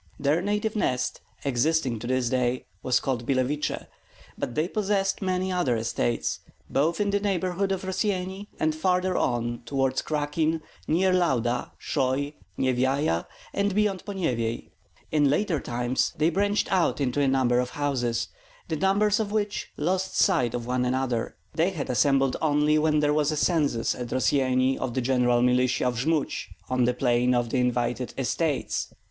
Their native nest, existing to this day, was called Billeviche; but they possessed many other estates, both in the neighborhood of Rossyeni and farther on toward Krakin, near Lauda, Shoi, Nyevyaja, and beyond Ponyevyej. In later times they branched out into a number of houses, the members of which lost sight of one another. They all assembled only when there was a census at Rossyeni of the general militia of Jmud on the plain of the invited Estates.